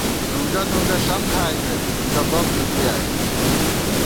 نُنگہ نُنگہ ݪم کھائیمېت نُنگہ بَم ݫُپی آئیت